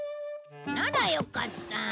ならよかった。